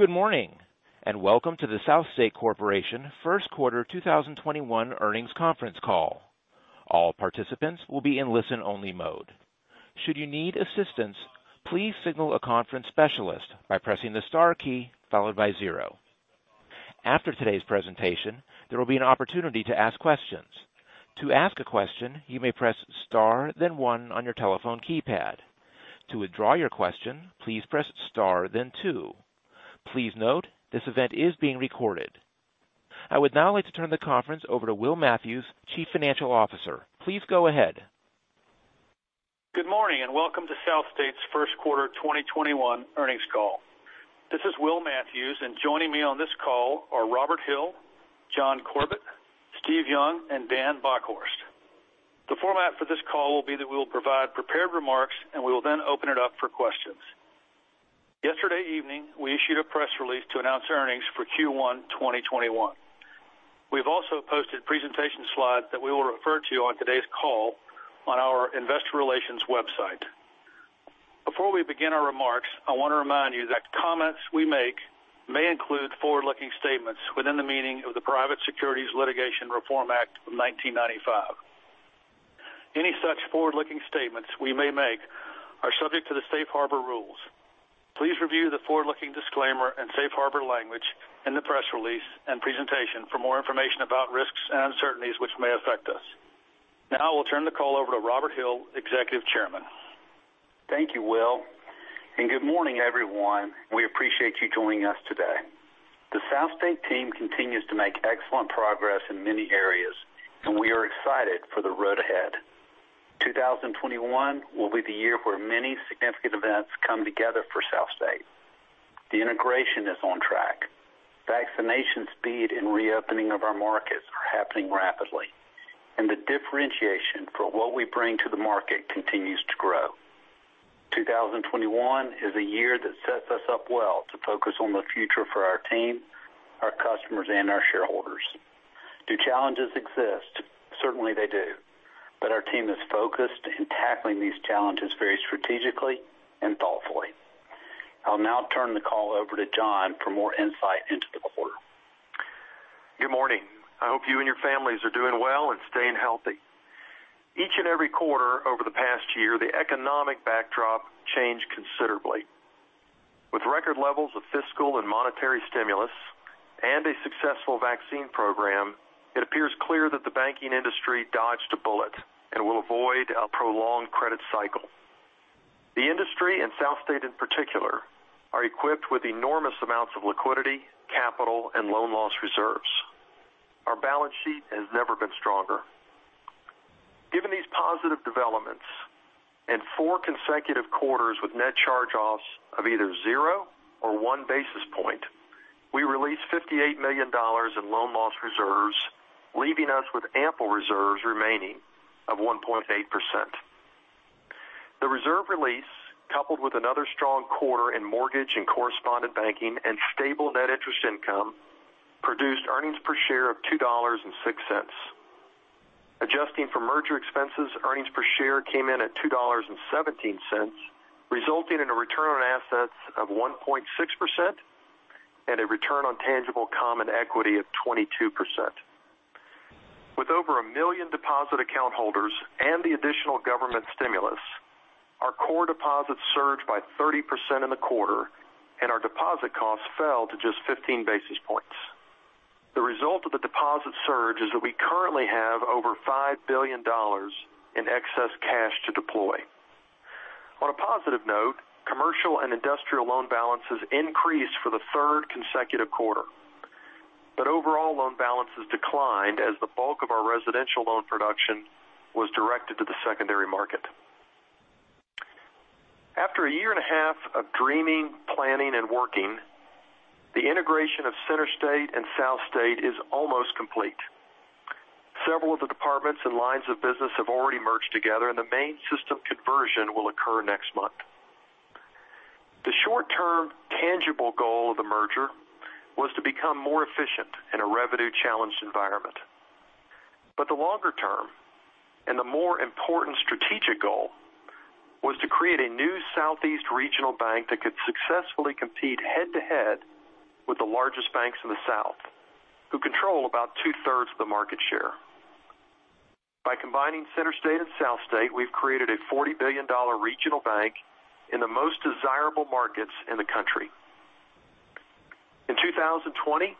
Good morning, and welcome to the SouthState Corporation first quarter 2021 earnings conference call. All participants will be on listen only mode. Should you need assistance please signal the conference specialist by pressing star followed by zero. After today's presentation there will be an opportunity to ask questions. To ask a question please press star then one on your telephone keypad. To withdraw your question, please press star the two. Please note that this event is being recorded. I would now like to turn the conference over to Will Matthews, Chief Financial Officer. Please go ahead. Good morning, and welcome to SouthState's first quarter 2021 earnings call. This is Will Matthews, and joining me on this call are Robert Hill, John Corbett, Steve Young, and Dan Bockhorst. The format for this call will be that we will provide prepared remarks, and we will then open it up for questions. Yesterday evening, we issued a press release to announce earnings for Q1 2021. We've also posted presentation slides that we will refer to on today's call on our investor relations website. Before we begin our remarks, I want to remind you that comments we make may include forward-looking statements within the meaning of the Private Securities Litigation Reform Act of 1995. Any such forward-looking statements we may make are subject to the safe harbor rules. Please review the forward-looking disclaimer and safe harbor language in the press release and presentation for more information about risks and uncertainties which may affect us. Now I will turn the call over to Robert Hill, Executive Chairman. Thank you, Will, and good morning, everyone. We appreciate you joining us today. The SouthState team continues to make excellent progress in many areas, and we are excited for the road ahead. 2021 will be the year where many significant events come together for SouthState. The integration is on track. Vaccination speed and reopening of our markets are happening rapidly, and the differentiation for what we bring to the market continues to grow. 2021 is a year that sets us up well to focus on the future for our team, our customers, and our shareholders. Do challenges exist? Certainly, they do. Our team is focused and tackling these challenges very strategically and thoughtfully. I'll now turn the call over to John for more insight into the quarter. Good morning. I hope you and your families are doing well and staying healthy. Each and every quarter over the past year, the economic backdrop changed considerably. With record levels of fiscal and monetary stimulus and a successful vaccine program, it appears clear that the banking industry dodged a bullet and will avoid a prolonged credit cycle. The industry, and SouthState in particular, are equipped with enormous amounts of liquidity, capital, and loan loss reserves. Our balance sheet has never been stronger. Given these positive developments and four consecutive quarters with net charge-offs of either zero or one basis point, we released $58 million in loan loss reserves, leaving us with ample reserves remaining of 1.8%. The reserve release, coupled with another strong quarter in mortgage and correspondent banking and stable net interest income, produced earnings per share of $2.06. Adjusting for merger expenses, earnings per share came in at $2.17, resulting in a return on assets of 1.6% and a return on tangible common equity of 22%. With over 1 million deposit account holders and the additional government stimulus, our core deposits surged by 30% in the quarter, and our deposit costs fell to just 15 basis points. The result of the deposit surge is that we currently have over $5 billion in excess cash to deploy. On a positive note, commercial and industrial loan balances increased for the third consecutive quarter. Overall loan balances declined as the bulk of our residential loan production was directed to the secondary market. After a year and a half of dreaming, planning, and working, the integration of CenterState and SouthState is almost complete. Several of the departments and lines of business have already merged together, and the main system conversion will occur next month. The short-term tangible goal of the merger was to become more efficient in a revenue-challenged environment. The longer term and the more important strategic goal was to create a new Southeast regional bank that could successfully compete head to head with the largest banks in the South, who control about two thirds of the market share. By combining CenterState and SouthState, we've created a $40 billion regional bank in the most desirable markets in the country. In 2020,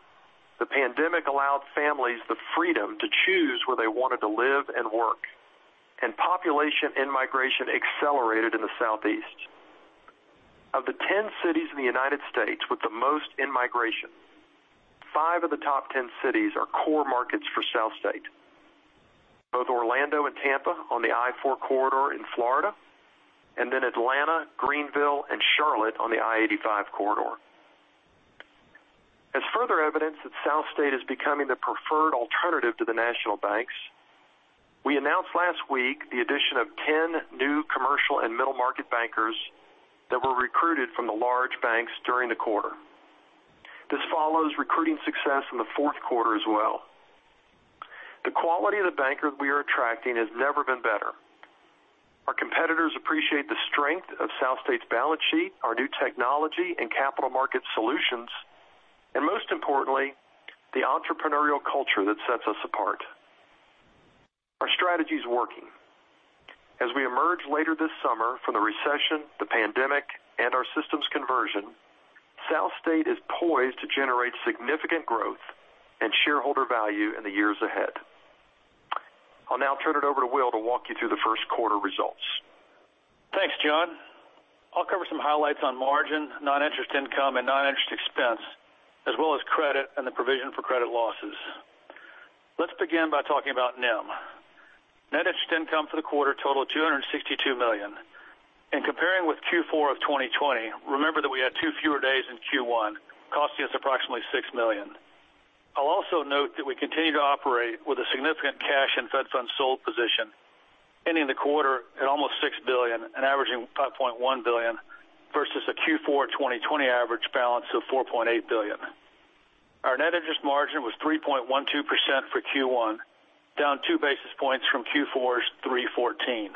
the pandemic allowed families the freedom to choose where they wanted to live and work, and population in-migration accelerated in the Southeast. Of the 10 cities in the U.S. with the most in-migration, five of the top 10 cities are core markets for SouthState. Both Orlando and Tampa on the I-4 corridor in Florida, and Atlanta, Greenville, and Charlotte on the I-85 corridor. As further evidence that SouthState is becoming the preferred alternative to the national banks, we announced last week the addition of 10 new commercial and middle market bankers that were recruited from the large banks during the quarter. This follows recruiting success in the fourth quarter as well. The quality of the banker we are attracting has never been better. Our competitors appreciate the strength of SouthState's balance sheet, our new technology and capital market solutions, and most importantly, the entrepreneurial culture that sets us apart. Our strategy is working. As we emerge later this summer from the recession, the pandemic, and our systems conversion, SouthState is poised to generate significant growth and shareholder value in the years ahead. I'll now turn it over to Will to walk you through the first quarter results. Thanks, John. I'll cover some highlights on margin, Noninterest income, and Noninterest expense, as well as credit and the provision for credit losses. Let's begin by talking about NIM. Net interest income for the quarter totaled $262 million. In comparing with Q4 of 2020, remember that we had two fewer days in Q1, costing us approximately $6 million. I'll also note that we continue to operate with a significant cash and Fed funds sold position, ending the quarter at almost $6 billion and averaging $5.1 billion versus a Q4 2020 average balance of $4.8 billion. Our net interest margin was 3.12% for Q1, down two basis points from Q4's 3.14.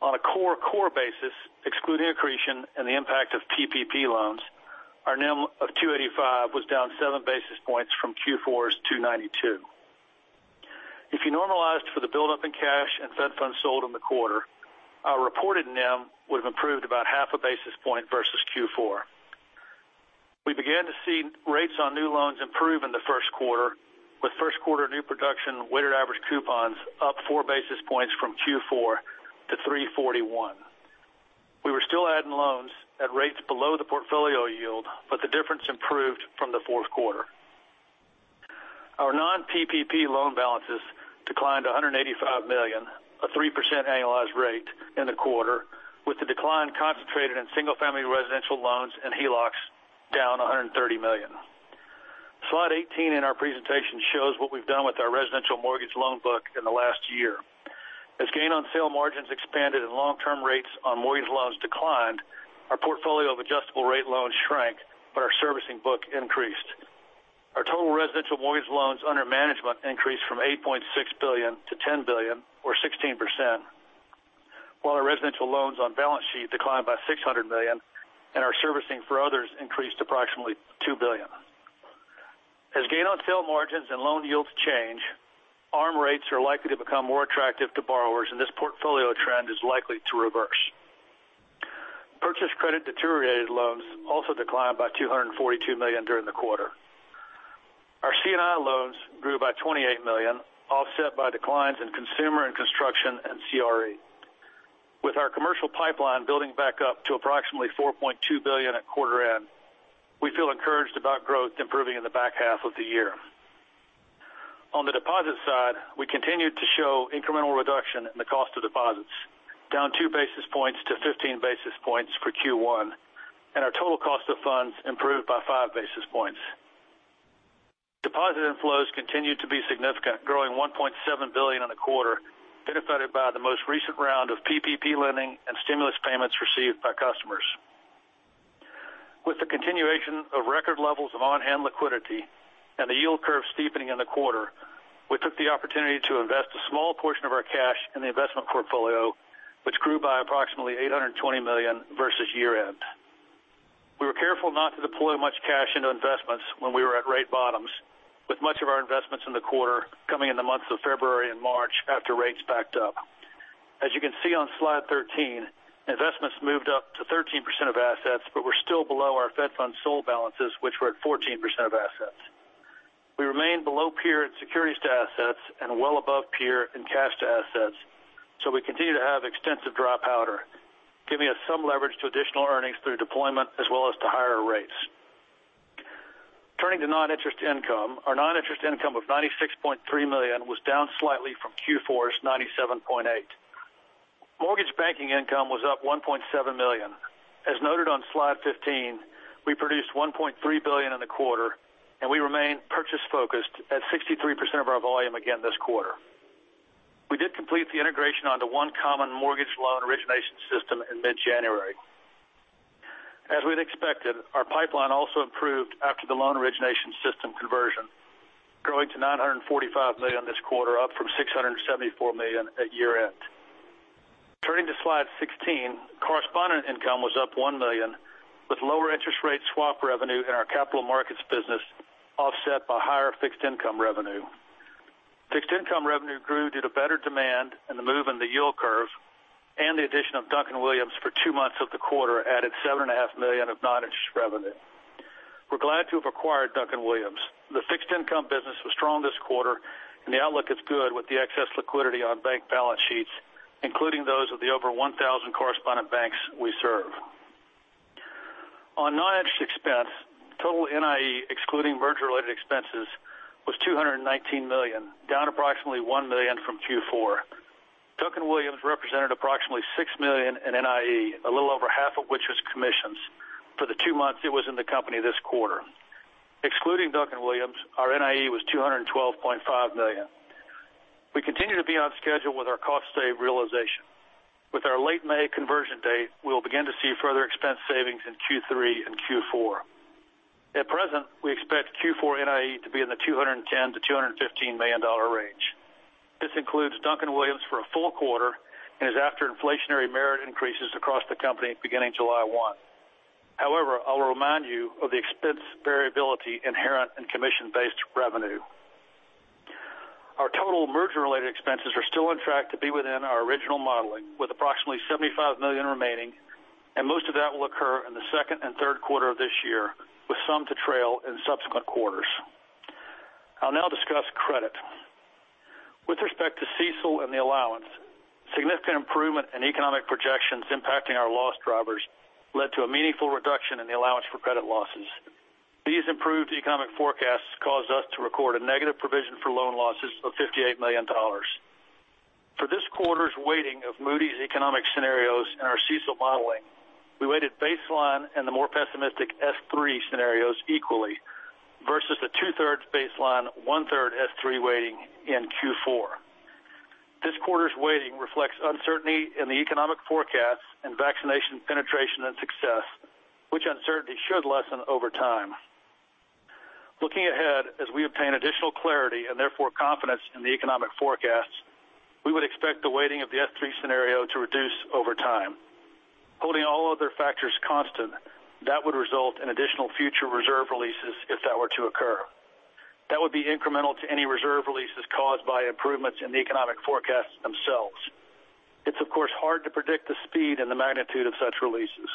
On a core basis, excluding accretion and the impact of PPP loans, our NIM of 2.85 was down seven basis points from Q4's 2.92. If you normalized for the buildup in cash and Fed funds sold in the quarter, our reported NIM would have improved about half a basis point versus Q4. We began to see rates on new loans improve in the first quarter, with first quarter new production weighted average coupons up four basis points from Q4 to 3.41. We were still adding loans at rates below the portfolio yield. The difference improved from the fourth quarter. Our non-PPP loan balances declined $185 million, a 3% annualized rate in the quarter, with the decline concentrated in single-family residential loans and HELOCs down $130 million. Slide 18 in our presentation shows what we've done with our residential mortgage loan book in the last year. As gain on sale margins expanded and long-term rates on mortgage loans declined, our portfolio of adjustable rate loans shrank, but our servicing book increased. Our total residential mortgage loans under management increased from $8.6 billion-$10 billion or 16%, while our residential loans on balance sheet declined by $600 million and our servicing for others increased approximately $2 billion. As gain on sale margins and loan yields change, ARM rates are likely to become more attractive to borrowers, and this portfolio trend is likely to reverse. Purchased credit deteriorated loans also declined by $242 million during the quarter. Our C&I loans grew by $28 million, offset by declines in consumer and construction and CRE. With our commercial pipeline building back up to approximately $4.2 billion at quarter end, we feel encouraged about growth improving in the back half of the year. On the deposit side, we continued to show incremental reduction in the cost of deposits, down two basis points to 15 basis points for Q1, and our total cost of funds improved by five basis points. Deposit inflows continued to be significant, growing $1.7 billion in the quarter, benefited by the most recent round of PPP lending and stimulus payments received by customers. With the continuation of record levels of on-hand liquidity and the yield curve steepening in the quarter, we took the opportunity to invest a small portion of our cash in the investment portfolio, which grew by approximately $820 million versus year end. We were careful not to deploy much cash into investments when we were at rate bottoms, with much of our investments in the quarter coming in the months of February and March after rates backed up. As you can see on slide 13, investments moved up to 13% of assets, but were still below our Fed funds sold balances, which were at 14% of assets. We remain below peer in securities to assets and well above peer in cash to assets, so we continue to have extensive dry powder, giving us some leverage to additional earnings through deployment as well as to higher rates. Turning to noninterest income, our noninterest income of $96.3 million was down slightly from Q4's $97.8. Mortgage banking income was up $1.7 million. As noted on slide 15, we produced $1.3 billion in the quarter, and we remain purchase focused at 63% of our volume again this quarter. We did complete the integration onto one common mortgage loan origination system in mid-January. As we'd expected, our pipeline also improved after the loan origination system conversion, growing to $945 million this quarter, up from $674 million at year end. Turning to slide 16, correspondent income was up $1 million with lower interest rate swap revenue in our capital markets business offset by higher fixed income revenue. Fixed income revenue grew due to better demand and the move in the yield curve and the addition of Duncan-Williams, Inc. for two months of the quarter added $7.5 million of noninterest revenue. We're glad to have acquired Duncan-Williams, Inc. The fixed income business was strong this quarter, and the outlook is good with the excess liquidity on bank balance sheets, including those of the over 1,000 correspondent banks we serve. On noninterest expense, total NIE, excluding merger related expenses, was $219 million, down approximately $1 million from Q4. Duncan-Williams, Inc. represented approximately $6 million in NIE, a little over half of which was commissions for the two months it was in the company this quarter. Excluding Duncan-Williams, Inc., our NIE was $212.5 million. We continue to be on schedule with our cost save realization. With our late May conversion date, we will begin to see further expense savings in Q3 and Q4. At present, we expect Q4 NIE to be in the $210 million-$215 million range. This includes Duncan-Williams, Inc. for a full quarter and is after inflationary merit increases across the company beginning July 1. I'll remind you of the expense variability inherent in commission-based revenue. Our total merger-related expenses are still on track to be within our original modeling, with approximately $75 million remaining, and most of that will occur in the second and third quarter of this year, with some to trail in subsequent quarters. I'll now discuss credit. With respect to CECL and the allowance, significant improvement in economic projections impacting our loss drivers led to a meaningful reduction in the allowance for credit losses. These improved economic forecasts caused us to record a negative provision for loan losses of $58 million. For this quarter's weighting of Moody's economic scenarios in our CECL modeling, we weighted baseline and the more pessimistic S3 scenarios equally, versus the two-thirds baseline, one-third S3 weighting in Q4. This quarter's weighting reflects uncertainty in the economic forecasts and vaccination penetration and success, which uncertainty should lessen over time. Looking ahead, as we obtain additional clarity and therefore confidence in the economic forecasts, we would expect the weighting of the S3 scenario to reduce over time. Holding all other factors constant, that would result in additional future reserve releases if that were to occur. That would be incremental to any reserve releases caused by improvements in the economic forecasts themselves. It's of course hard to predict the speed and the magnitude of such releases.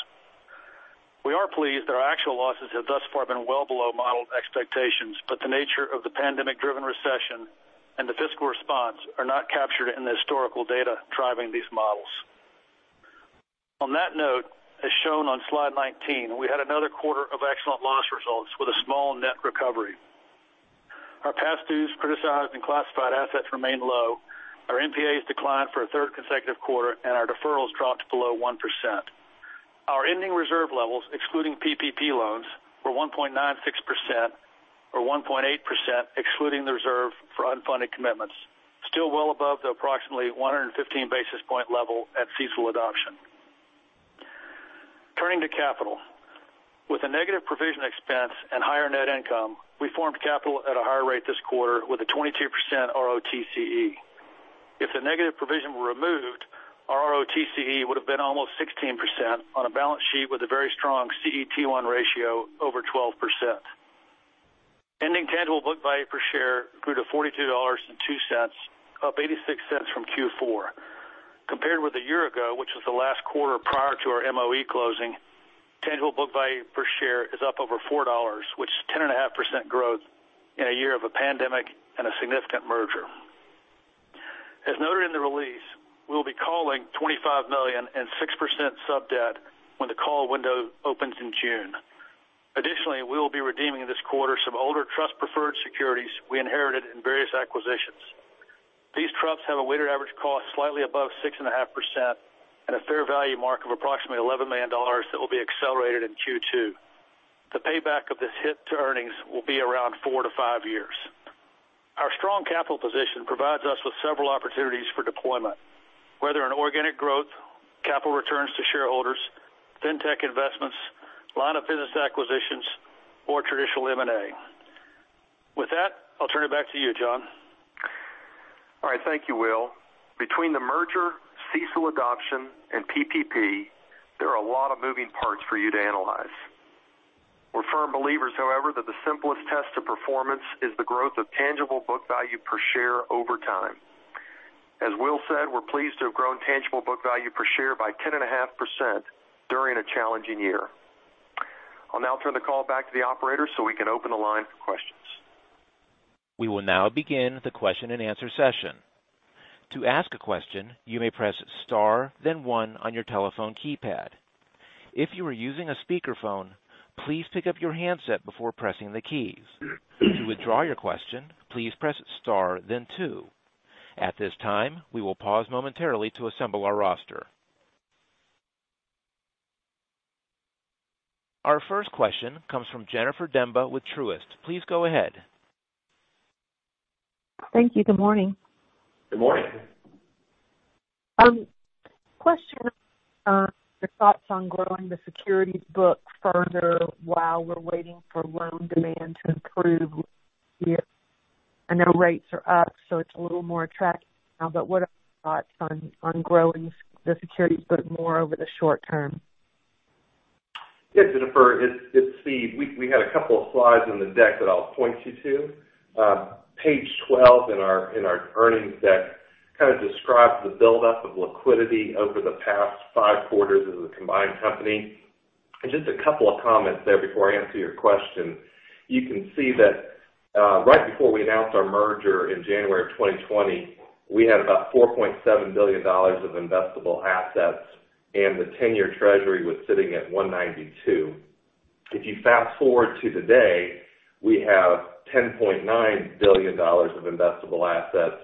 We are pleased that our actual losses have thus far been well below modeled expectations, but the nature of the pandemic-driven recession and the fiscal response are not captured in the historical data driving these models. On that note, as shown on slide 19, we had another quarter of excellent loss results with a small net recovery. Our past dues, criticized and classified assets remained low. Our NPAs declined for a third consecutive quarter, and our deferrals dropped below 1%. Our ending reserve levels, excluding PPP loans, were 1.96%, or 1.8% excluding the reserve for unfunded commitments. Still well above the approximately 115 basis point level at CECL adoption. Turning to capital. With a negative provision expense and higher net income, we formed capital at a higher rate this quarter with a 22% ROTCE. If the negative provision were removed, our ROTCE would have been almost 16% on a balance sheet with a very strong CET1 ratio over 12%. Ending tangible book value per share grew to $42.02, up $0.86 from Q4. Compared with a year ago, which was the last quarter prior to our MOE closing, tangible book value per share is up over $4, which is 10.5% growth in a year of a pandemic and a significant merger. As noted in the release, we'll be calling $25 million and 6% sub-debt when the call window opens in June. Additionally, we will be redeeming this quarter some older trust preferred securities we inherited in various acquisitions. These trusts have a weighted average cost slightly above 6.5% and a fair value mark of approximately $11 million that will be accelerated in Q2. The payback of this hit to earnings will be around four to five years. Our strong capital position provides us with several opportunities for deployment, whether in organic growth, capital returns to shareholders, fintech investments, line of business acquisitions, or traditional M&A. With that, I'll turn it back to you, John. All right. Thank you, Will. Between the merger, CECL adoption, and PPP, there are a lot of moving parts for you to analyze. We're firm believers, however, that the simplest test of performance is the growth of tangible book value per share over time. As Will said, we're pleased to have grown tangible book value per share by 10.5% during a challenging year. I'll now turn the call back to the operator so we can open the line for questions. We will now begin the question and answer session. To ask a question, you may press star then one on your telephone keypad. If you are using a speakerphone, please pick up your handset before pressing the keys. To withdraw your question, please press star then two. At this time, we will pause momentarily to assemble our roster. Our first question comes from Jennifer Demba with Truist. Please go ahead. Thank you. Good morning. Good morning. Question. Your thoughts on growing the securities book further while we're waiting for loan demand to improve. I know rates are up, so it's a little more attractive now, but what are your thoughts on growing the securities book more over the short term? Yeah, Jennifer. It's Steve. We had a couple of slides in the deck that I'll point you to. Page 12 in our earnings deck kind of describes the buildup of liquidity over the past five quarters as a combined company. Just a couple of comments there before I answer your question. You can see that right before we announced our merger in January of 2020, we had about $4.7 billion of investable assets, and the 10-year treasury was sitting at 192. If you fast-forward to today, we have $10.9 billion of investable assets,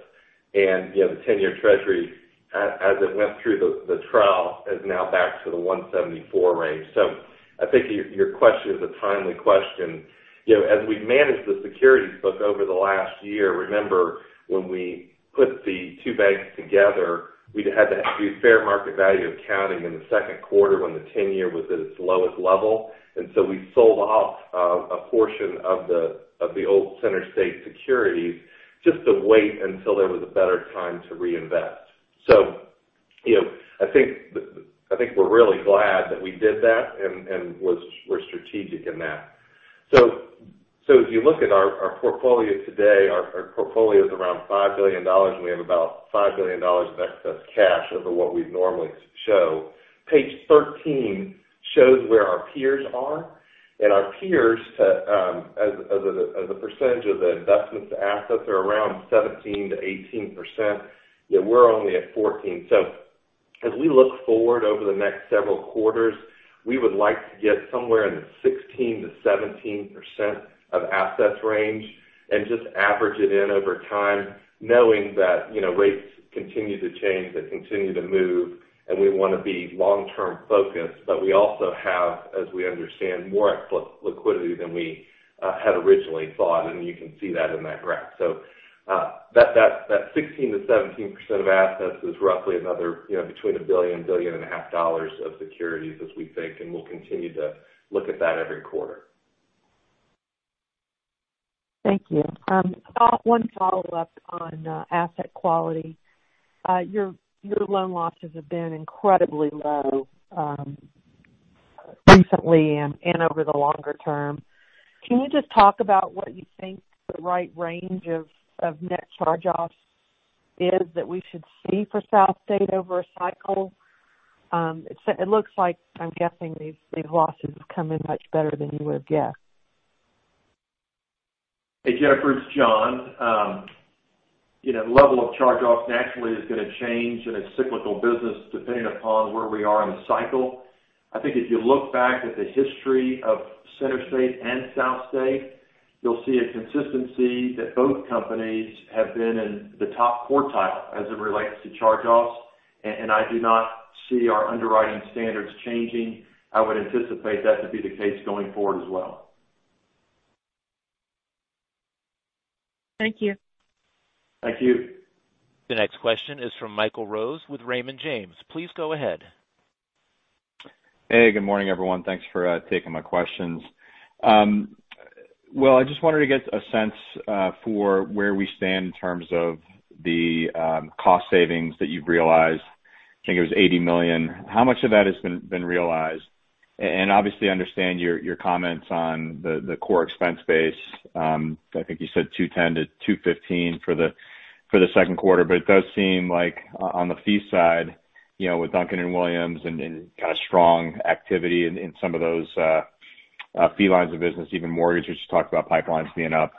and the 10-year treasury, as it went through the trough, is now back to the 174 range. I think your question is a timely question. As we've managed the securities book over the last year, remember when we put the two banks together, we'd had to do fair market value accounting in the second quarter when the 10-year was at its lowest level. We sold off a portion of the old CenterState securities just to wait until there was a better time to reinvest. I think we're really glad that we did that and were strategic in that. If you look at our portfolio today, our portfolio's around $5 billion, and we have about $5 billion of excess cash over what we'd normally show. Page 13 shows where our peers are, and our peers, as a percentage of the investments to assets, are around 17%-18%, yet we're only at 14%. As we look forward over the next several quarters, we would like to get somewhere in the 16%-17% of assets range and just average it in over time, knowing that rates continue to change, they continue to move, and we want to be long-term focused. We also have, as we understand, more liquidity than we had originally thought, and you can see that in that graph. That 16%-17% of assets is roughly another between $1 billion and $1.5 billion of securities as we think, and we'll continue to look at that every quarter. Thank you. One follow-up on asset quality. Your loan losses have been incredibly low recently and over the longer term. Can you just talk about what you think the right range of net charge-offs is that we should see for SouthState over a cycle? It looks like, I'm guessing these losses have come in much better than you would've guessed. Hey, Jennifer, it's John. Level of charge-offs naturally is going to change in a cyclical business depending upon where we are in the cycle. I think if you look back at the history of CenterState and SouthState, you'll see a consistency that both companies have been in the top quartile as it relates to charge-offs. I do not see our underwriting standards changing. I would anticipate that to be the case going forward as well. Thank you. Thank you. The next question is from Michael Rose with Raymond James. Please go ahead. Hey, good morning, everyone. Thanks for taking my questions. Well, I just wanted to get a sense for where we stand in terms of the cost savings that you've realized. I think it was $80 million. How much of that has been realized? Obviously, I understand your comments on the core expense base. I think you said $210-$215 for the second quarter, it does seem like on the fee side, with Duncan-Williams and kind of strong activity in some of those fee lines of business, even mortgage, which you talked about pipelines being up,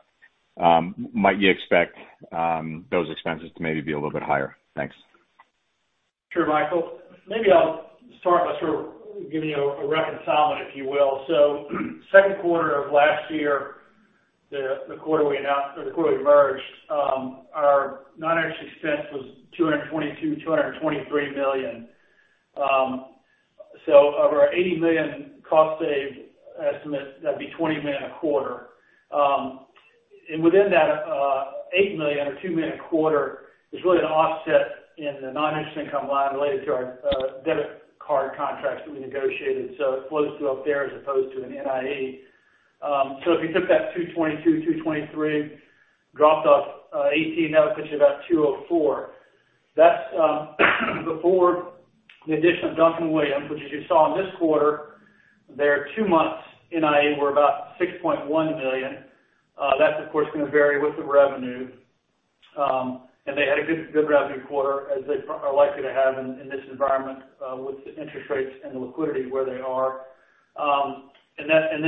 might you expect those expenses to maybe be a little bit higher? Thanks. Sure, Michael. Maybe I'll start by sort of giving you a reconcilement, if you will. Second quarter of last year, the quarter we merged, our non-interest expense was $222 million, $223 million. Of our $80 million cost save estimate, that'd be $20 million a quarter. Within that $8 million, or $2 million a quarter, there's really an offset in the non-interest income line related to our debit card contracts that we negotiated. It flows through up there as opposed to an NIE. If you took that $222 million, $223 million, dropped off $18, that would put you about $204 million. That's before the addition of Duncan-Williams, Inc., which as you saw in this quarter, their two months NIE were about $6.1 million. That's, of course, going to vary with the revenue. They had a good revenue quarter, as they are likely to have in this environment with the interest rates and the liquidity where they are.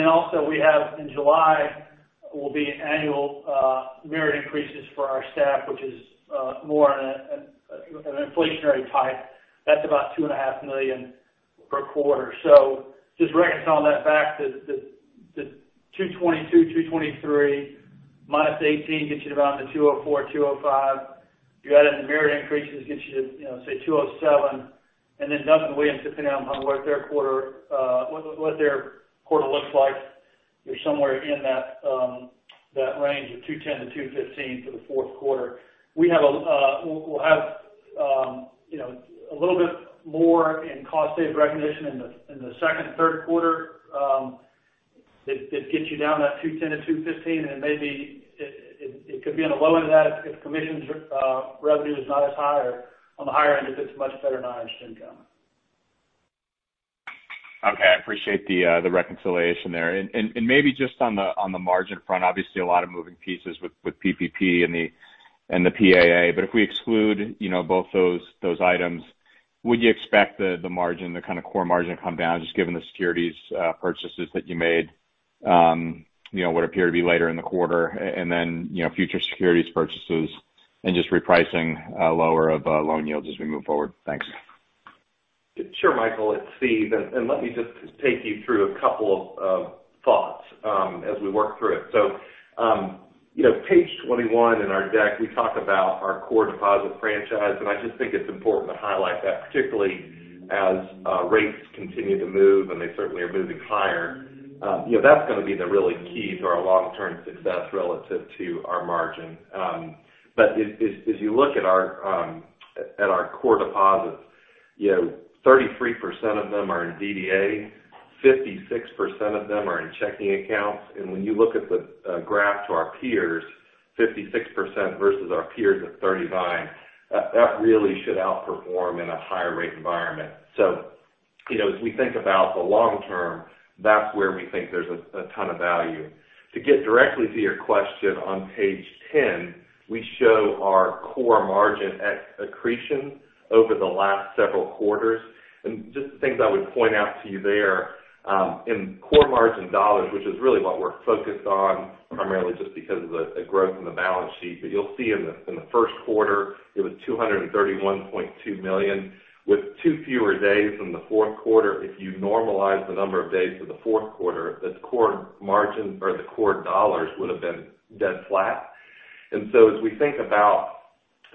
Also we have in July will be annual merit increases for our staff, which is more on an inflationary type. That's about $2.5 million per quarter. Just reconcile that back to the $222 million, $223 million minus $18 million gets you to around the $204 million, $205 million. You add in the merit increases, gets you to say $207 million. Then Duncan-Williams, Inc., depending on what their quarter looks like, you're somewhere in that range of $210 million-$215 million for the fourth quarter. We'll have a little bit more in cost save recognition in the second and third quarter that gets you down to that $210 million-$215 million, and then maybe it could be on the low end of that if commissions revenue is not as high, or on the higher end if it's much better non-interest income. Okay. I appreciate the reconciliation there. Maybe just on the margin front, obviously a lot of moving pieces with PPP and the PAA. If we exclude both those items, would you expect the margin, the kind of core margin come down, just given the securities purchases that you made what appear to be later in the quarter, and then future securities purchases and just repricing lower of loan yields as we move forward? Thanks. Sure, Michael, it's Steve. Let me just take you through two thoughts as we work through it. Page 21 in our deck, we talk about our core deposit franchise, and I just think it's important to highlight that particularly as rates continue to move, and they certainly are moving higher. That's going to be the really key to our long-term success relative to our margin. As you look at our core deposits, 33% of them are in DDA, 56% of them are in checking accounts. When you look at the graph to our peers, 56% versus our peers at 39%, that really should outperform in a higher rate environment. As we think about the long term, that's where we think there's a ton of value. To get directly to your question, on page 10, we show our core margin accretion over the last several quarters. Just the things I would point out to you there, in core margin dollars, which is really what we're focused on, primarily just because of the growth in the balance sheet. You'll see in the first quarter, it was $231.2 million with two fewer days than the fourth quarter. If you normalize the number of days for the fourth quarter, the core margin or the core dollars would've been dead flat. As we think about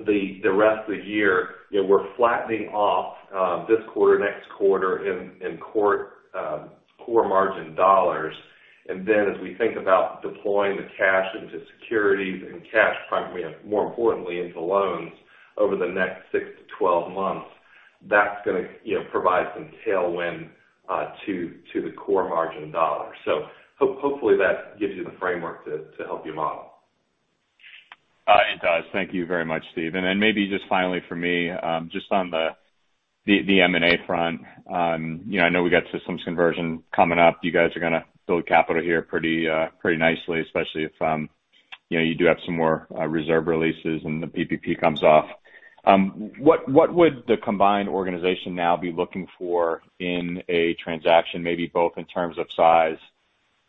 the rest of the year, we're flattening off, this quarter, next quarter in core margin dollars. As we think about deploying the cash into securities and cash, more importantly, into loans over the next six to 12 months, that's going to provide some tailwind to the core margin dollar. Hopefully, that gives you the framework to help you model. It does. Thank you very much, Stephen. Maybe just finally for me, just on the M&A front. I know we got systems conversion coming up. You guys are going to build capital here pretty nicely, especially if you do have some more reserve releases and the PPP comes off. What would the combined organization now be looking for in a transaction, maybe both in terms of size,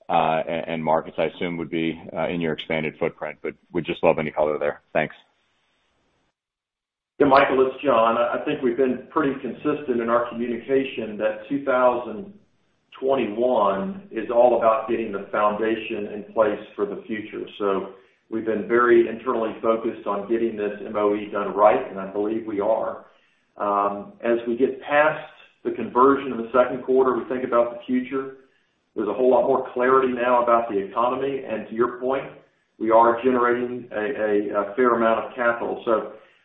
and markets, I assume, would be in your expanded footprint, but would just love any color there. Thanks. Yeah, Michael, it's John. I think we've been pretty consistent in our communication that 2021 is all about getting the foundation in place for the future. We've been very internally focused on getting this MOE done right, and I believe we are. As we get past the conversion of the second quarter, we think about the future. There's a whole lot more clarity now about the economy, and to your point, we are generating a fair amount of capital.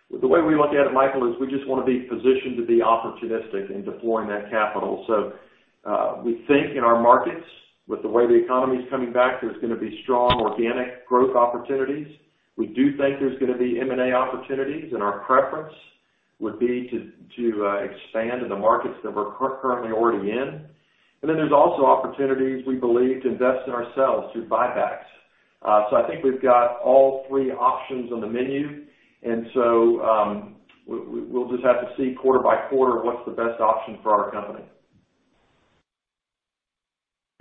The way we look at it, Michael, is we just want to be positioned to be opportunistic in deploying that capital. We think in our markets with the way the economy's coming back, there's going to be strong organic growth opportunities. We do think there's going to be M&A opportunities, and our preference would be to expand in the markets that we're currently already in. There's also opportunities we believe to invest in ourselves through buybacks. I think we've got all three options on the menu. We'll just have to see quarter by quarter what's the best option for our company.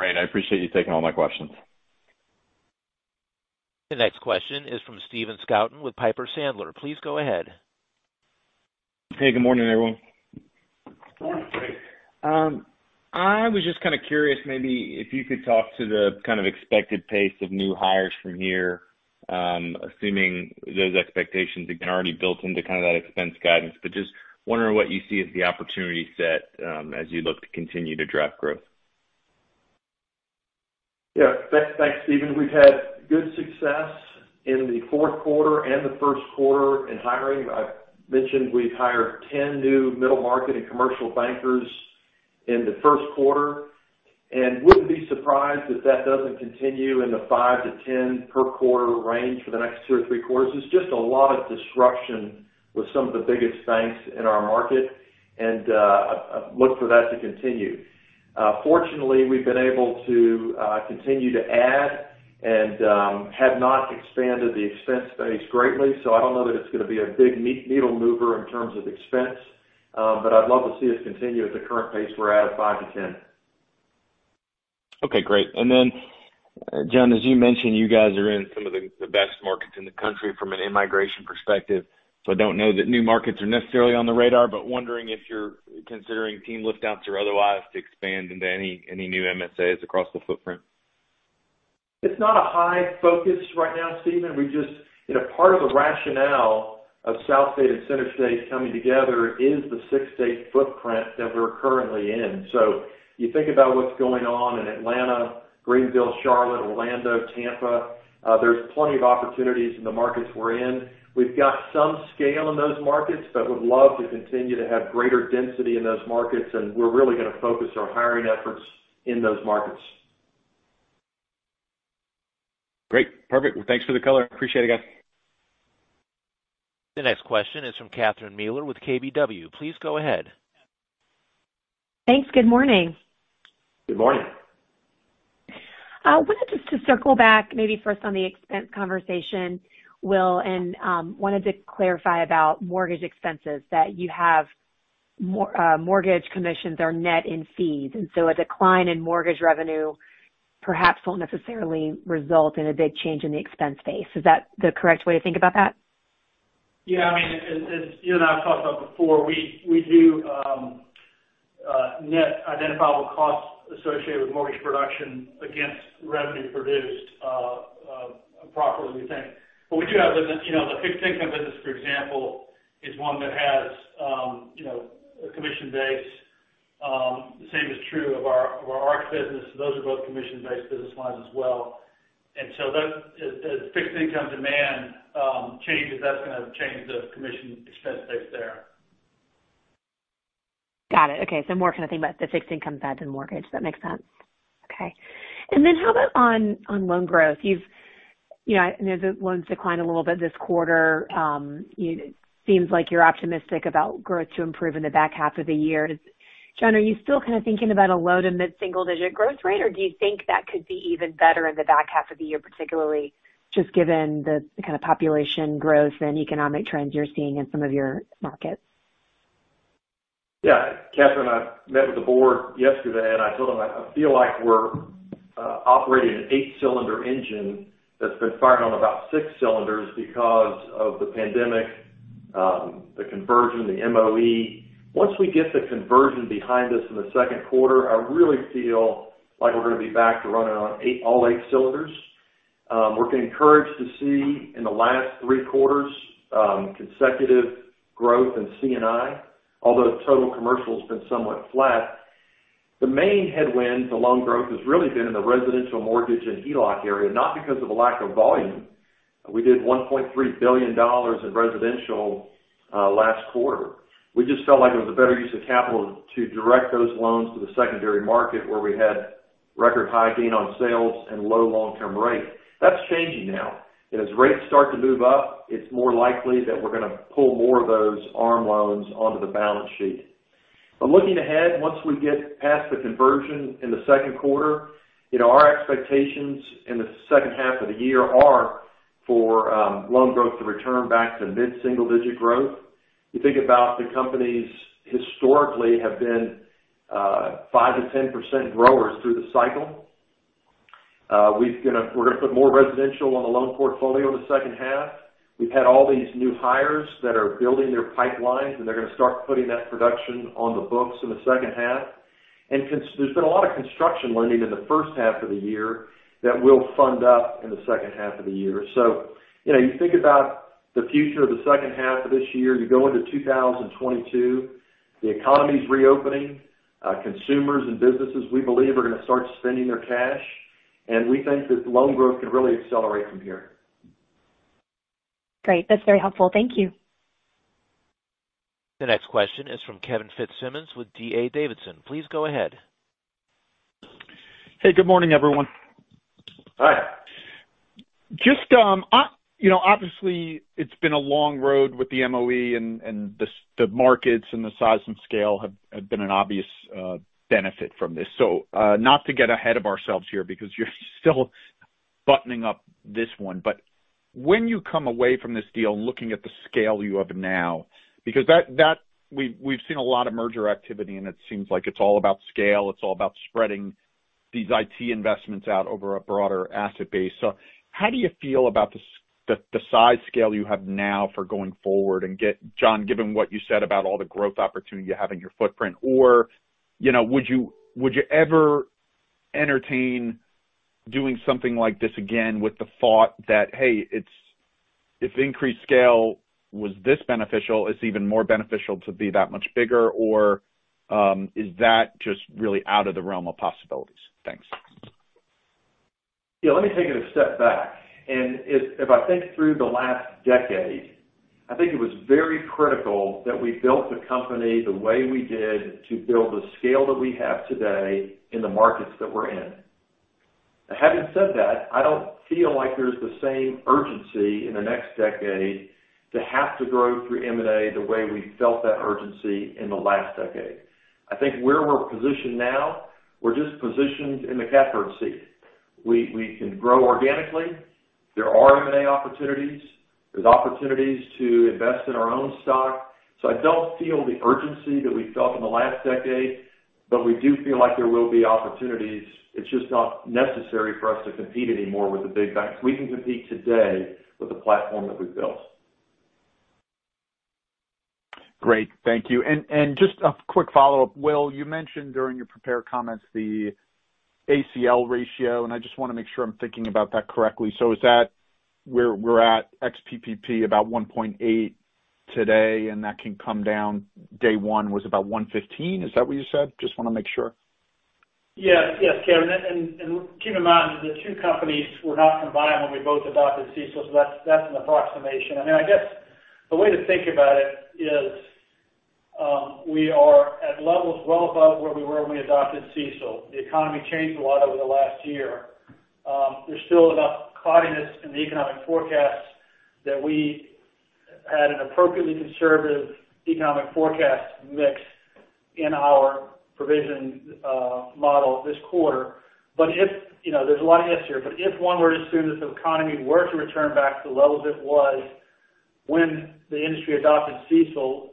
Great. I appreciate you taking all my questions. The next question is from Stephen Scouten with Piper Sandler. Please go ahead. Hey, good morning, everyone. Morning, Stephen. I was just kind of curious maybe if you could talk to the kind of expected pace of new hires from here, assuming those expectations have been already built into kind of that expense guidance. Just wondering what you see as the opportunity set, as you look to continue to drive growth. Yeah. Thanks, Stephen. We've had good success in the fourth quarter and the first quarter in hiring. I've mentioned we've hired 10 new middle market and commercial bankers in the first quarter, and wouldn't be surprised if that doesn't continue in the five to 10 per quarter range for the next two or three quarters. There's just a lot of disruption with some of the biggest banks in our market, and I look for that to continue. Fortunately, we've been able to continue to add and have not expanded the expense base greatly. I don't know that it's going to be a big needle mover in terms of expense. I'd love to see us continue at the current pace we're at of 5-10. Okay, great. John, as you mentioned, you guys are in some of the best markets in the country from an in-migration perspective. I don't know that new markets are necessarily on the radar, but wondering if you're considering team lift outs or otherwise to expand into any new MSAs across the footprint. It's not a high focus right now, Stephen. Part of the rationale of SouthState and CenterState Bank coming together is the six-state footprint that we're currently in. You think about what's going on in Atlanta, Greenville, Charlotte, Orlando, Tampa. There's plenty of opportunities in the markets we're in. We've got some scale in those markets, but would love to continue to have greater density in those markets, we're really going to focus our hiring efforts in those markets. Great. Perfect. Well, thanks for the color. Appreciate it, guys. The next question is from Catherine Mealor with KBW. Please go ahead. Thanks. Good morning. Good morning. Wanted just to circle back maybe first on the expense conversation, Will, and wanted to clarify about mortgage expenses that you have. Mortgage commissions are net in fees, and so a decline in mortgage revenue perhaps won't necessarily result in a big change in the expense base. Is that the correct way to think about that? Yeah. As you and I have talked about before, we do net identifiable costs associated with mortgage production against revenue produced properly, we think. The fixed income business, for example, is one that has a commission base. The same is true of our ARC business. Those are both commission-based business lines as well. As fixed income demand changes, that's going to change the commission expense base there. Got it. Okay. More kind of thing about the fixed income side than mortgage. That makes sense. Okay. How about on loan growth? The loans declined a little bit this quarter. It seems like you're optimistic about growth to improve in the back half of the year. John, are you still kind of thinking about a low to mid-single-digit growth rate, or do you think that could be even better in the back half of the year, particularly just given the kind of population growth and economic trends you're seeing in some of your markets? Yeah. Catherine, I met with the board yesterday, and I told them I feel like we're operating an eight-cylinder engine that's been firing on about six cylinders because of the pandemic, the conversion, the MOE. Once we get the conversion behind us in the second quarter, I really feel like we're going to be back to running on all eight cylinders. We're encouraged to see in the last three quarters, consecutive growth in C&I, although total commercial's been somewhat flat. The main headwind to loan growth has really been in the residential mortgage and HELOC area, not because of a lack of volume. We did $1.3 billion in residential last quarter. We just felt like it was a better use of capital to direct those loans to the secondary market where we had record high gain on sales and low long-term rate. That's changing now. As rates start to move up, it's more likely that we're going to pull more of those ARM loans onto the balance sheet. Looking ahead, once we get past the conversion in the second quarter, our expectations in the second half of the year are for loan growth to return back to mid-single-digit growth. You think about the companies historically have been 5%-10% growers through the cycle. We're going to put more residential on the loan portfolio in the second half. We've had all these new hires that are building their pipelines, and they're going to start putting that production on the books in the second half. There's been a lot of construction lending in the first half of the year that we'll fund up in the second half of the year. You think about the future of the second half of this year, you go into 2022, the economy's reopening. Consumers and businesses, we believe, are going to start spending their cash, and we think that loan growth could really accelerate from here. Great. That's very helpful. Thank you. The next question is from Kevin Fitzsimmons with D.A. Davidson. Please go ahead. Hey, good morning, everyone. Hi. Obviously, it's been a long road with the MOE and the markets and the size and scale have been an obvious benefit from this. Not to get ahead of ourselves here because you're still buttoning up this one. When you come away from this deal and looking at the scale you have now, because we've seen a lot of merger activity, and it seems like it's all about scale, it's all about spreading these IT investments out over a broader asset base. How do you feel about the size scale you have now for going forward and John, given what you said about all the growth opportunity you have in your footprint? Would you ever entertain doing something like this again with the thought that, hey, if increased scale was this beneficial, it's even more beneficial to be that much bigger? Is that just really out of the realm of possibilities? Thanks. Yeah, let me take it a step back. If I think through the last decade, I think it was very critical that we built the company the way we did to build the scale that we have today in the markets that we're in. Having said that, I don't feel like there's the same urgency in the next decade to have to grow through M&A the way we felt that urgency in the last decade. I think where we're positioned now, we're just positioned in the catbird seat. We can grow organically. There are M&A opportunities. There's opportunities to invest in our own stock. I don't feel the urgency that we felt in the last decade, but we do feel like there will be opportunities. It's just not necessary for us to compete anymore with the big banks. We can compete today with the platform that we've built. Great. Thank you. Just a quick follow-up. Will, you mentioned during your prepared comments the ACL ratio, and I just want to make sure I'm thinking about that correctly. Is that where we're at ex-PPP about 1.8 today, and that can come down? Day one was about 115, is that what you said? Just want to make sure. Yes, Kevin. Keep in mind, the two companies were not combined when we both adopted CECL, so that's an approximation. I guess the way to think about it is we are at levels well above where we were when we adopted CECL. The economy changed a lot over the last year. There's still enough cloudiness in the economic forecast that we had an appropriately conservative economic forecast mix in our provision model this quarter. There's a lot of ifs here. If one were to assume that the economy were to return back to the levels it was when the industry adopted CECL.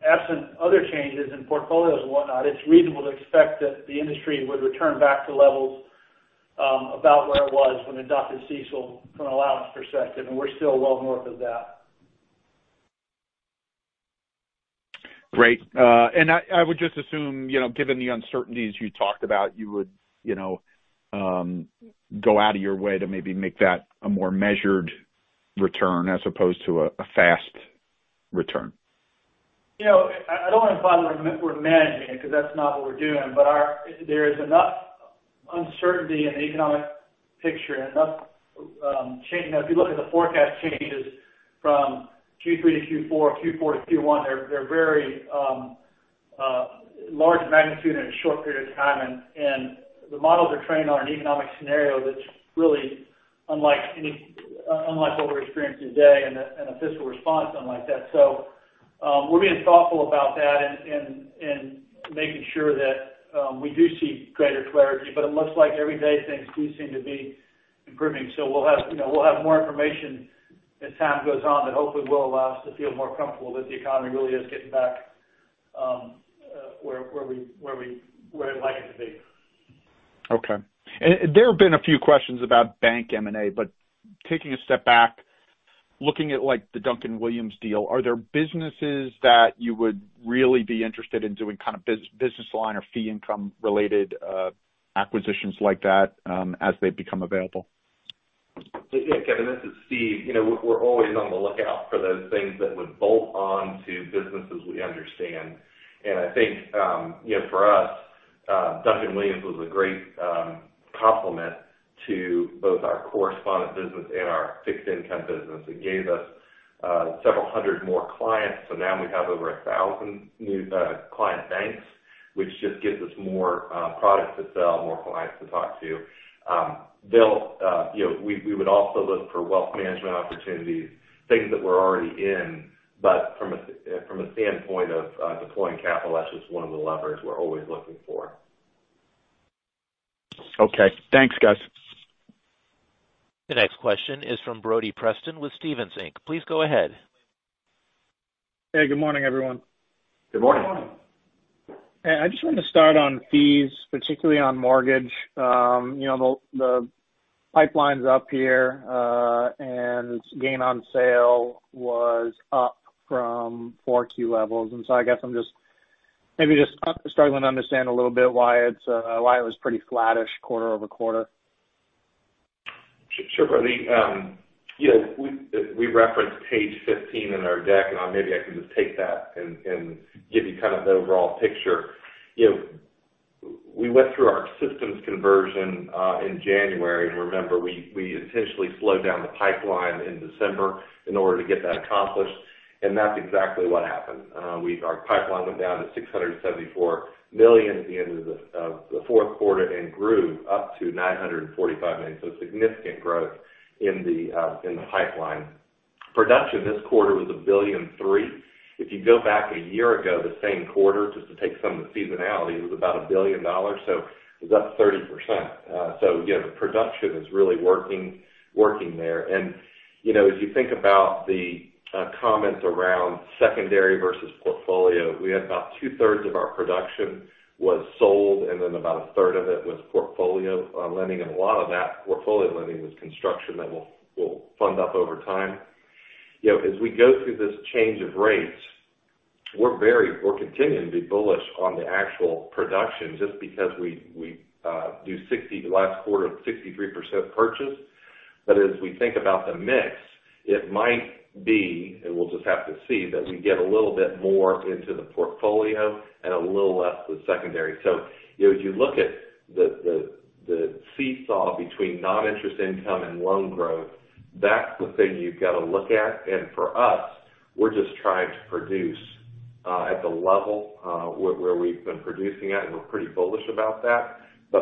Absent other changes in portfolios and whatnot, it's reasonable to expect that the industry would return back to levels about where it was when adopted CECL from an allowance perspective, and we're still well north of that. Great. I would just assume, given the uncertainties you talked about, you would go out of your way to maybe make that a more measured return as opposed to a fast return. I don't want to imply that we're managing it because that's not what we're doing. There is enough uncertainty in the economic picture and enough change. Now, if you look at the forecast changes from Q3 to Q4 to Q1, they're very large magnitude in a short period of time. The models are trained on an economic scenario that's really unlike what we're experiencing today and a fiscal response unlike that. We're being thoughtful about that and making sure that we do see greater clarity. It looks like every day things do seem to be improving. We'll have more information as time goes on that hopefully will allow us to feel more comfortable that the economy really is getting back where we'd like it to be. Okay. There have been a few questions about bank M&A, but taking a step back, looking at the Duncan-Williams, Inc. deal, are there businesses that you would really be interested in doing kind of business line or fee income related acquisitions like that as they become available? Kevin, this is Steve. We're always on the lookout for those things that would bolt on to businesses we understand. I think for us, Duncan-Williams, Inc. was a great complement to both our correspondent business and our fixed income business. It gave us several hundred more clients, so now we have over 1,000 new client banks, which just gives us more products to sell, more clients to talk to. We would also look for wealth management opportunities, things that we're already in. From a standpoint of deploying capital, that's just one of the levers we're always looking for. Okay. Thanks, guys. The next question is from Brody Preston with Stephens Inc. Please go ahead. Hey, good morning, everyone. Good morning. I just wanted to start on fees, particularly on mortgage. The pipeline's up here and gain on sale was up from 4Q levels. I guess I'm just maybe just struggling to understand a little bit why it was pretty flattish quarter-over-quarter. Sure. Brody. We referenced page 15 in our deck, maybe I can just take that and give you kind of the overall picture. We went through our systems conversion in January. Remember, we intentionally slowed down the pipeline in December in order to get that accomplished, that's exactly what happened. Our pipeline went down to $674 million at the end of the fourth quarter and grew up to $945 million. Significant growth in the pipeline. Production this quarter was $1.3 billion. If you go back a year ago, the same quarter, just to take some of the seasonality, it was about $1 billion. It's up 30%. The production is really working there. As you think about the comments around secondary versus portfolio, we had about two-thirds of our production was sold, and then about a third of it was portfolio lending, and a lot of that portfolio lending was construction that we'll fund up over time. As we go through this change of rates, we're continuing to be bullish on the actual production just because we do the last quarter of 63% purchase. As we think about the mix, it might be, and we'll just have to see, that we get a little bit more into the portfolio and a little less with secondary. As you look at the seesaw between non-interest income and loan growth, that's the thing you've got to look at. For us, we're just trying to produce at the level where we've been producing at, and we're pretty bullish about that.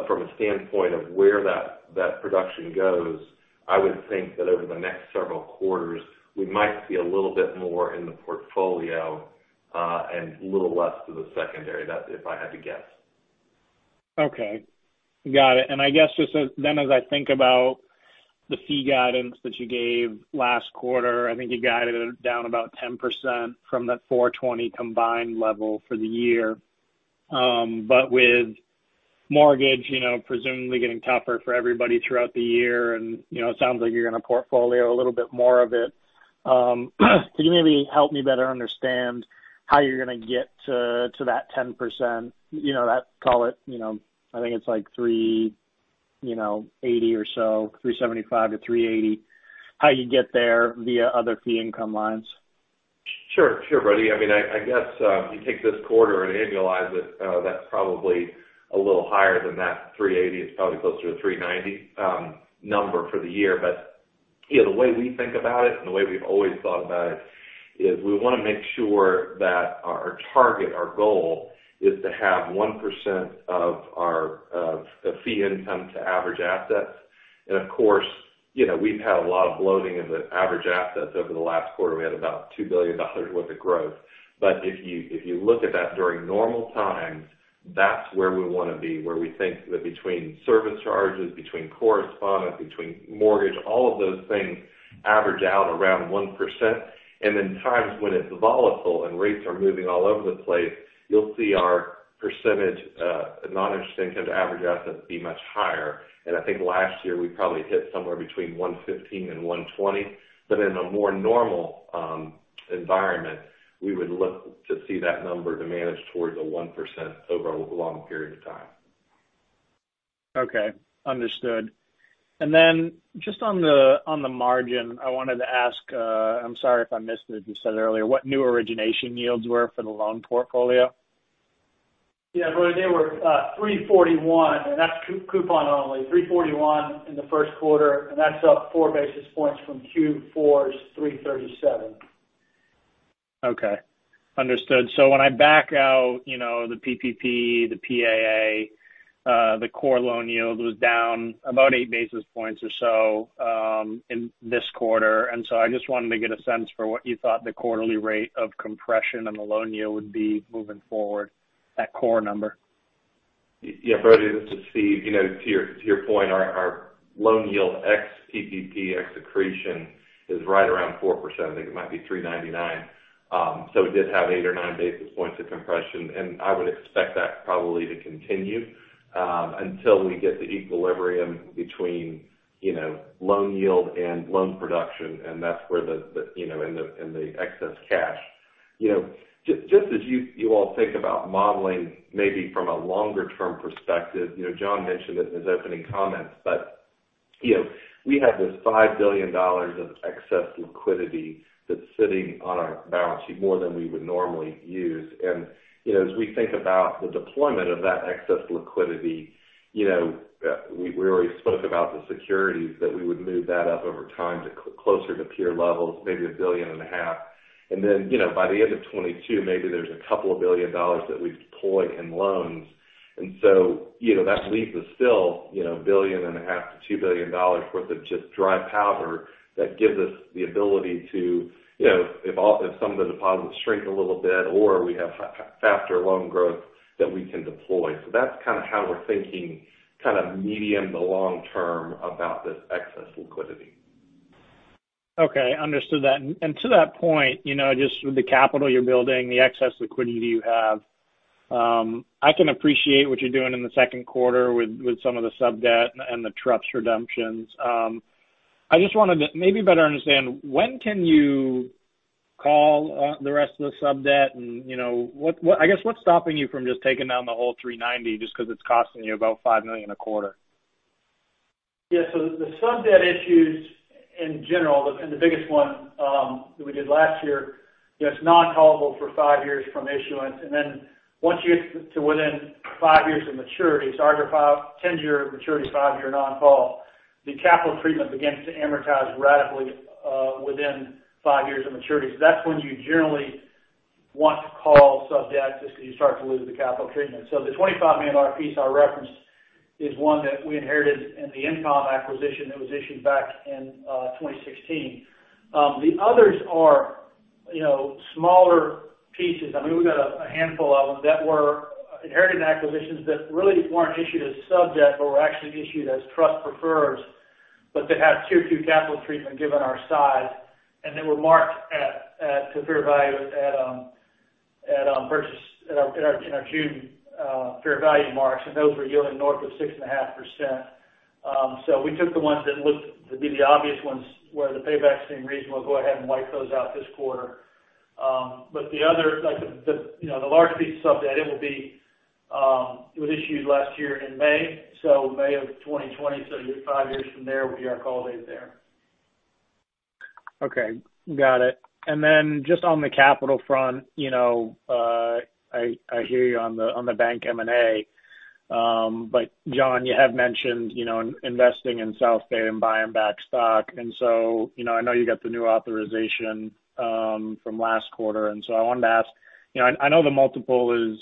From a standpoint of where that production goes, I would think that over the next several quarters, we might see a little bit more in the portfolio and a little less to the secondary, that if I had to guess. Okay. Got it. I guess just then as I think about the fee guidance that you gave last quarter, I think you guided it down about 10% from the $420 combined level for the year. With mortgage presumably getting tougher for everybody throughout the year, and it sounds like you're going to portfolio a little bit more of it. Can you maybe help me better understand how you're going to get to that 10%? Call it, I think it's like $380 or so, $375-$380, how you get there via other fee income lines? Sure, Brody. I guess if you take this quarter and annualize it, that's probably a little higher than that $380. It's probably closer to $390 number for the year. The way we think about it and the way we've always thought about it is we want to make sure that our target, our goal, is to have 1% of our fee income to average assets. Of course, we've had a lot of bloating in the average assets over the last quarter. We had about $2 billion worth of growth. If you look at that during normal times. That's where we want to be, where we think that between service charges, between correspondent, between mortgage, all of those things average out around 1%. In times when it's volatile and rates are moving all over the place, you'll see our percentage, noninterest income to average assets, be much higher. I think last year we probably hit somewhere between 115% and 120%. In a more normal environment, we would look to see that number to manage towards a 1% over a long period of time. Okay. Understood. Just on the margin, I wanted to ask, I'm sorry if I missed it, you said earlier, what new origination yields were for the loan portfolio? Yeah, Brody, they were 341, and that's coupon only, 341 in the first quarter, and that's up four basis points from Q4's 337. Okay. Understood. When I back out the PPP, the PAA, the core loan yield was down about eight basis points or so in this quarter. I just wanted to get a sense for what you thought the quarterly rate of compression on the loan yield would be moving forward, that core number. Brody, this is Steve. To your point, our loan yield ex-PPP, ex accretion, is right around 4%. I think it might be 399. It did have eight or nine basis points of compression, and I would expect that probably to continue until we get to equilibrium between loan yield and loan production and the excess cash. Just as you all think about modeling, maybe from a longer-term perspective, John mentioned it in his opening comments, but we have this $5 billion of excess liquidity that's sitting on our balance sheet, more than we would normally use. As we think about the deployment of that excess liquidity, we already spoke about the securities, that we would move that up over time to closer to peer levels, maybe a billion and a half. Then, by the end of 2022, maybe there's a couple of billion dollars that we deploy in loans. That leaves us still a billion and a half to $2 billion worth of just dry powder that gives us the ability to, if some of the deposits shrink a little bit or we have faster loan growth, that we can deploy. That's kind of how we're thinking medium to long term about this excess liquidity. Okay. Understood that. To that point, just with the capital you're building, the excess liquidity you have, I can appreciate what you're doing in the second quarter with some of the sub-debt and the trust redemptions. I just wanted to maybe better understand, when can you call the rest of the sub-debt and what's stopping you from just taking down the whole 390 just because it's costing you about $5 million a quarter? Yeah. The sub-debt issues in general, and the biggest one that we did last year, it's non-callable for five years from issuance. Once you get to within five years of maturity, these are 10-year maturities, five-year non-call, the capital treatment begins to amortize radically within five years of maturity. That's when you generally want to call sub-debt just because you start to lose the capital treatment. The $25 million piece I referenced is one that we inherited in the Independent acquisition that was issued back in 2016. The others are smaller pieces. We've got a handful of them that were inherited in acquisitions that really weren't issued as sub-debt, but were actually issued as trust prefers, but that have Tier 2 capital treatment given our size. They were marked to fair value at our June fair value marks, and those were yielding north of 6.5%. We took the ones that looked to be the obvious ones where the payback seemed reasonable, go ahead and wipe those out this quarter. The large piece of sub-debt, it was issued last year in May, so May of 2020. Five years from there will be our call date there. Okay. Got it. Just on the capital front, I hear you on the bank M&A. John, you have mentioned investing in SouthState and buying back stock. I know you got the new authorization from last quarter, and so I wanted to ask. I know the multiple is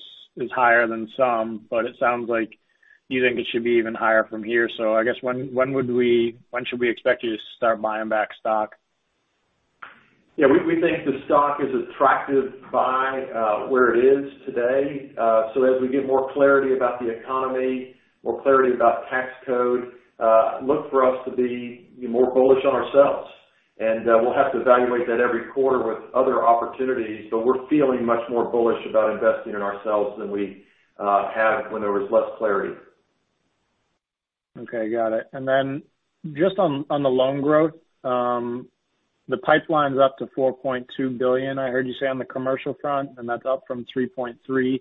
higher than some, it sounds like you think it should be even higher from here. I guess when should we expect you to start buying back stock? Yeah. We think the stock is attractive to buy where it is today. As we get more clarity about the economy, more clarity about tax code, look for us to be more bullish on ourselves. We'll have to evaluate that every quarter with other opportunities, but we're feeling much more bullish about investing in ourselves than we have when there was less clarity. Okay. Got it. Just on the loan growth, the pipeline's up to $4.2 billion, I heard you say, on the commercial front, and that's up from $3.3 billion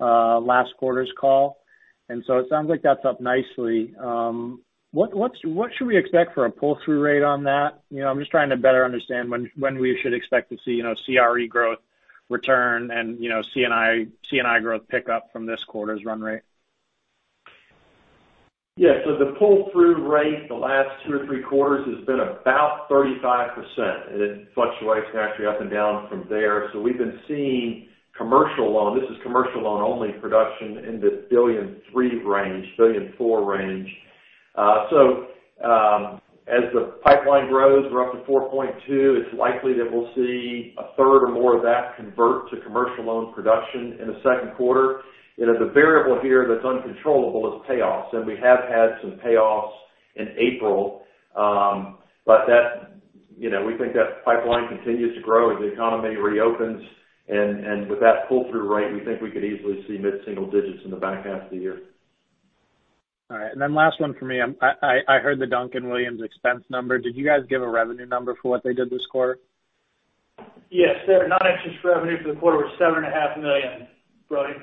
last quarter's call. It sounds like that's up nicely. What should we expect for a pull-through rate on that? I'm just trying to better understand when we should expect to see CRE growth return and C&I growth pick up from this quarter's run rate. Yeah. The pull-through rate the last two or three quarters has been about 35%, and it fluctuates actually up and down from there. We've been seeing commercial loan, this is commercial loan only production, in the $1.3 billion range, $1.4 billion range. As the pipeline grows, we're up to $4.2 billion, it's likely that we'll see a third or more of that convert to commercial loan production in the second quarter. The variable here that's uncontrollable is payoffs. We have had some payoffs in April. We think that pipeline continues to grow as the economy reopens. With that pull-through rate, we think we could easily see mid-single digits in the back half of the year. All right. Last one for me. I heard the Duncan-Williams, Inc. expense number. Did you guys give a revenue number for what they did this quarter? Yes. Their non-interest revenue for the quarter was $7.5 million, Brody.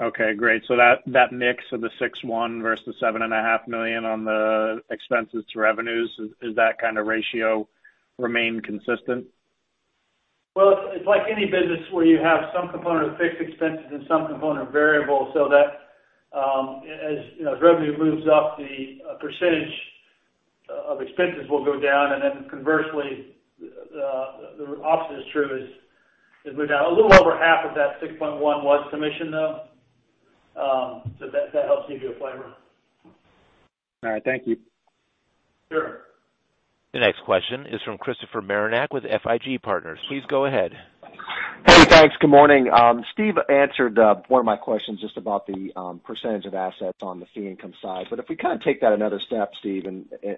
Okay, great. That mix of the $6.1 versus the $7.5 million on the expenses to revenues, does that kind of ratio remain consistent? Well, it's like any business where you have some component of fixed expenses and some component of variable, as revenue moves up, the percent of expenses will go down. Conversely, the opposite is true, is it moved down. A little over half of that $6.1 million was commission, though. That helps give you a flavor. All right. Thank you. Sure. The next question is from Christopher Marinac with FIG Partners. Please go ahead. Hey, thanks. Good morning. Steve answered one of my questions just about the percent of assets on the fee income side. If we kind of take that another step, Steve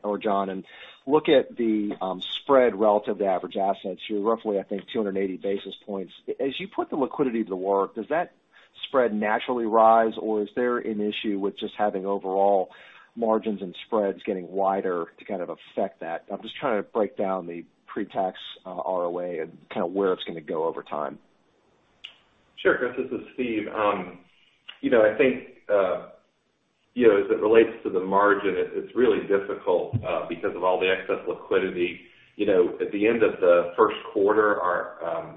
or John, and look at the spread relative to average assets, you're roughly, I think, 280 basis points. As you put the liquidity to work, does that spread naturally rise, or is there an issue with just having overall margins and spreads getting wider to kind of affect that? I'm just trying to break down the pre-tax ROA and kind of where it's going to go over time. Sure, Chris. This is Steve. I think, as it relates to the margin, it's really difficult because of all the excess liquidity. At the end of the first quarter, our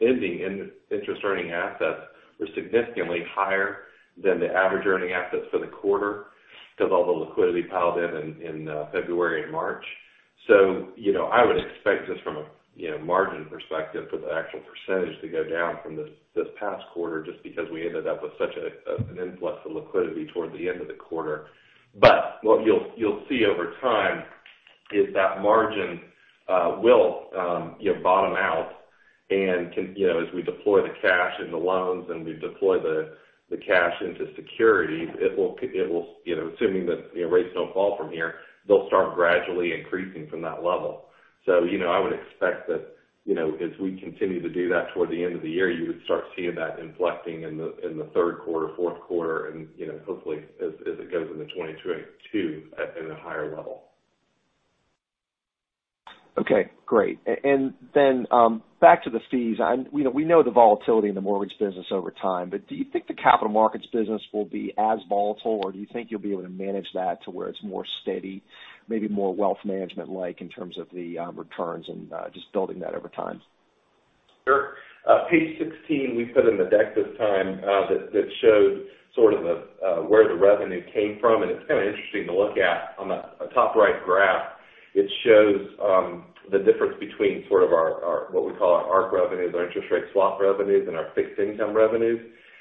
ending interest-earning assets were significantly higher than the average earning assets for the quarter because all the liquidity piled in in February and March. I would expect just from a margin perspective for the actual percentage to go down from this past quarter, just because we ended up with such an influx of liquidity towards the end of the quarter. What you'll see over time is that margin will bottom out and as we deploy the cash in the loans and we deploy the cash into securities, assuming that rates don't fall from here, they'll start gradually increasing from that level. I would expect that as we continue to do that toward the end of the year, you would start seeing that inflecting in the third quarter, fourth quarter, and hopefully as it goes into 2022 at a higher level. Okay, great. Back to the fees. We know the volatility in the mortgage business over time, but do you think the capital markets business will be as volatile, or do you think you'll be able to manage that to where it's more steady, maybe more wealth management-like in terms of the returns and just building that over time? Sure. Page 16, we put in the deck this time that showed sort of where the revenue came from. It's kind of interesting to look at. On the top right graph, it shows the difference between what we call our ARC revenues, our interest rate swap revenues, and our fixed income revenues.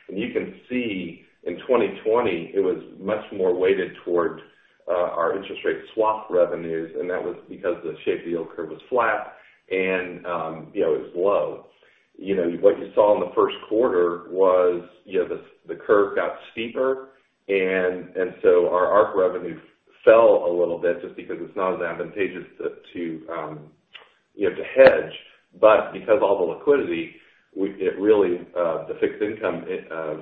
You can see in 2020, it was much more weighted towards our interest rate swap revenues, and that was because the shape of the yield curve was flat and it was low. What you saw in the first quarter was the curve got steeper. Our ARC revenue fell a little bit just because it's not as advantageous to hedge. Because of all the liquidity, the fixed income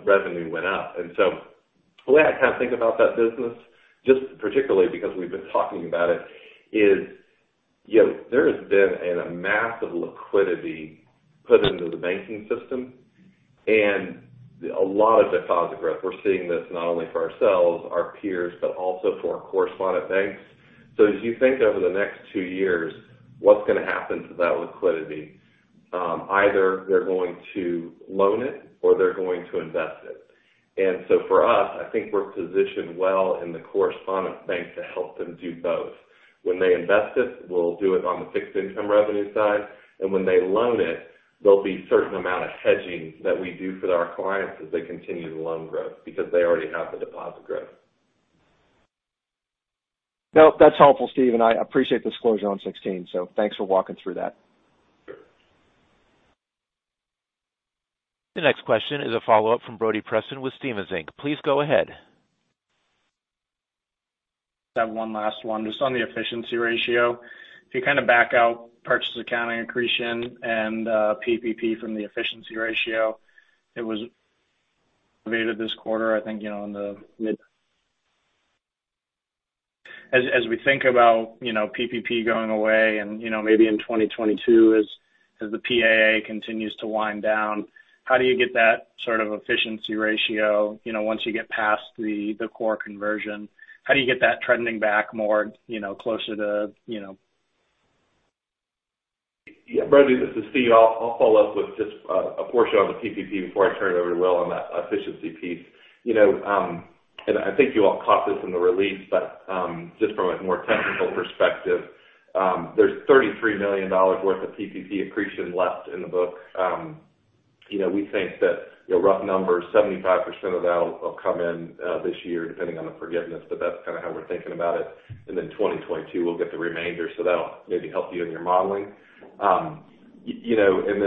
revenue went up. The way I kind of think about that business, just particularly because we've been talking about it, is there has been a massive liquidity put into the banking system and a lot of deposit growth. We're seeing this not only for ourselves, our peers, but also for correspondent banks. As you think over the next two years, what's going to happen to that liquidity? Either they're going to loan it or they're going to invest it. For us, I think we're positioned well in the correspondent bank to help them do both. When they invest it, we'll do it on the fixed income revenue side, and when they loan it, there'll be certain amount of hedging that we do for our clients as they continue the loan growth because they already have the deposit growth. No, that's helpful, Steve, and I appreciate the disclosure on 16. Thanks for walking through that. Sure. The next question is a follow-up from Brody Preston with Stephens Inc. Please go ahead. I have one last one just on the efficiency ratio. If you kind of back out purchase accounting accretion and PPP from the efficiency ratio, it was this quarter, I think, in the mid. As we think about PPP going away and maybe in 2022 as the PAA continues to wind down, how do you get that sort of efficiency ratio once you get past the core conversion? How do you get that trending back more closer to? Yeah. Brody, this is Steve. I'll follow up with just a portion on the PPP before I turn it over to Will on that efficiency piece. I think you all caught this in the release, but just from a more technical perspective, there's $33 million worth of PPP accretion left in the book. We think that rough numbers, 75% of that will come in this year depending on the forgiveness, but that's kind of how we're thinking about it. 2022, we'll get the remainder. That'll maybe help you in your modeling.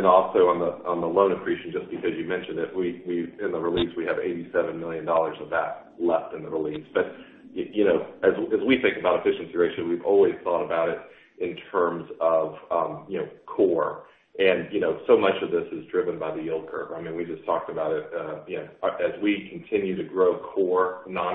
Also on the loan accretion, just because you mentioned it, in the release, we have $87 million of that left in the release. As we think about efficiency ratio, we've always thought about it in terms of core. So much of this is driven by the yield curve. I mean, we just talked about it. As we continue to grow core net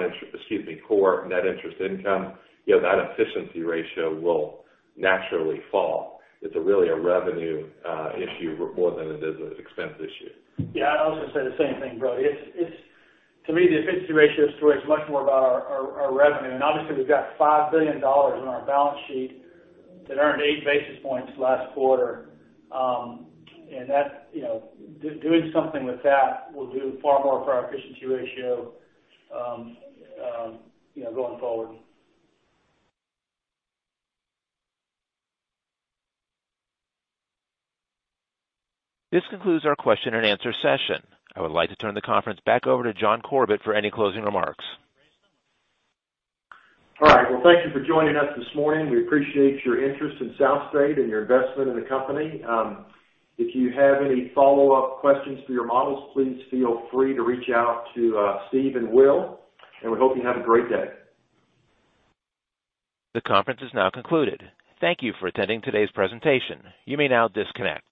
interest income, that efficiency ratio will naturally fall. It's really a revenue issue more than it is an expense issue. Yeah, I was going to say the same thing, Brody. To me, the efficiency ratio story is much more about our revenue. Obviously, we've got $5 billion in our balance sheet that earned eight basis points last quarter. Doing something with that will do far more for our efficiency ratio going forward. This concludes our question and answer session. I would like to turn the conference back over to John Corbett for any closing remarks. All right. Well, thank you for joining us this morning. We appreciate your interest in SouthState and your investment in the company. If you have any follow-up questions for your models, please feel free to reach out to Steve and Will, and we hope you have a great day. The conference is now concluded. Thank you for attending today's presentation. You may now disconnect.